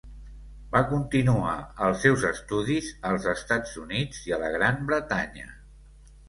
Va continuar els seus estudis als Estats Units i a la Gran Bretanya.